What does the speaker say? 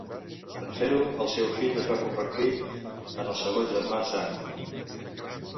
En fer-ho, el seu fill es va convertir en el segon Germà Sang.